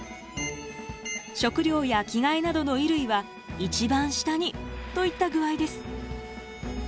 食料や着替えなどの衣類は一番下にといった具合です。